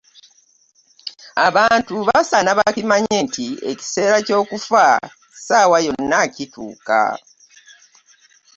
Abantu basaana bakimanye nti ekiseera ky'okufa ssaawa yonna kituuka